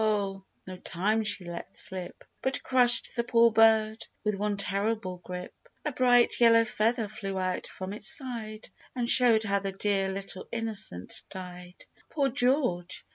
Ho time she let slip, But crushed the poor bird with one terrible grip ! A bright yellow feather flew out from its side, And showed how the dear little innocent died ! Poor George